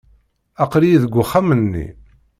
Aql-iyi deg uxxam-nni.